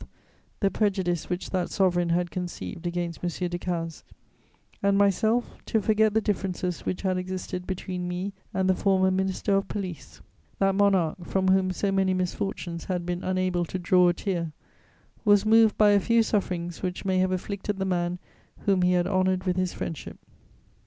the prejudice which that sovereign had conceived against M. Decazes, and myself to forget the differences which had existed between me and the former Minister of Police. That monarch, from whom so many misfortunes had been unable to draw a tear, was moved by a few sufferings which may have afflicted the man whom he had honoured with his friendship.